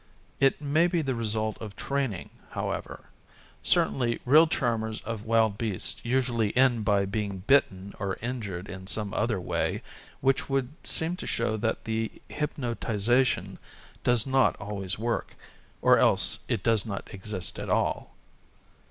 It may be the result of training, however. Certainly real charmers of wild beasts usually end by being bitten or injured in some other way, which would seem to show that the hypnotization does not always work, or else it does not exist at all.